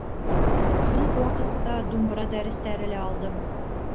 Шул уҡ ваҡытта думбыра дәрестәре лә алдым.